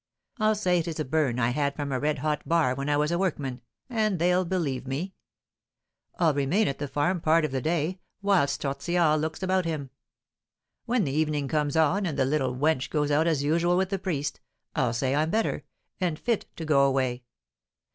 I'll say it is a burn I had from a red hot bar when I was a workman, and they'll believe me. I'll remain at the farm part of the day, whilst Tortillard looks about him. When the evening comes on, and the little wench goes out as usual with the priest, I'll say I'm better, and fit to go away.